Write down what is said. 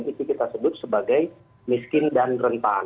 itu kita sebut sebagai miskin dan rentan